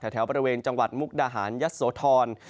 แถวบริเวณจังหวัดมุกดาหารยัดโสธร